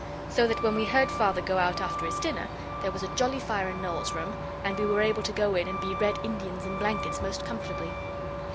So that when we heard Father go out after his dinner, there was a jolly fire in Noel's room, and we were able to go in and be Red Indians in blankets most comfortably.